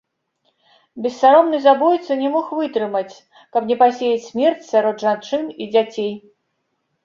Бессаромны забойца не мог вытрымаць, каб не пасеяць смерць сярод жанчын і дзяцей.